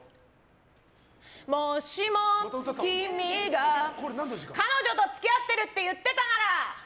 もしも、君が彼女と付き合ってるって言ってたなら！